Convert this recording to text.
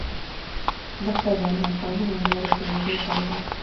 دښته د ناقانونه لارو تېرېدو ځای ده.